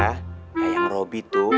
ya yang robi tuh